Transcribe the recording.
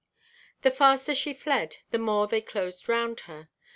The faster she fled, the more they closed round her.